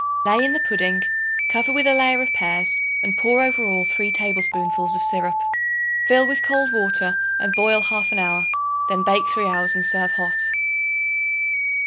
Lay in the pudding; cover with a layer of pears and pour over all 3 tablespoonfuls of syrup. Fill with cold water and boil half an hour; then bake three hours and serve hot.